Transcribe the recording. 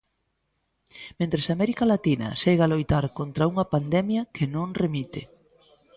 Mentres América Latina segue a loitar contra unha pandemia que non remite.